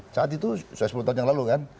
saat itu sudah sepuluh tahun yang lalu kan